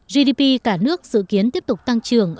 gdp cả nước dự kiến tiếp tục tăng trường